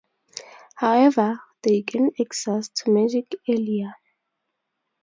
However, they gain access to magic earlier.